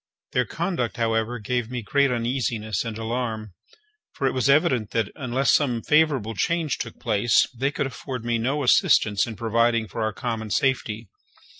Their conduct, however, gave me great uneasiness and alarm; for it was evident that, unless some favourable change took place, they could afford me no assistance in providing for our common safety.